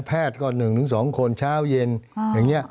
แพทย์ก็๑๒คนเช้าเย็นอย่างนี้